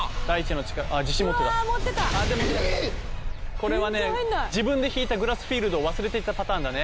これはね自分でひいたグラスフィールドを忘れていたパターンだね。